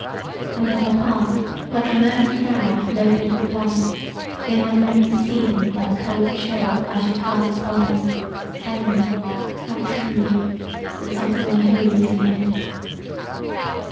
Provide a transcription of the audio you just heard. and as I passed, like a murky cloud loaded with blight, they might only perceive me by the cold chill I should cast upon them; telling them, how truly, that something unholy was near?